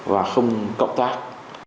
và không cộng tác